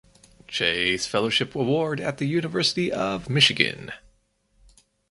Chase Fellowship Award at the University of Michigan.